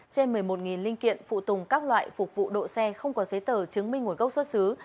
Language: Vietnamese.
trên một mươi một linh kiện phụ tùng các loại phục vụ độ xe không có giấy tờ chứng minh nguồn gốc xuất xứ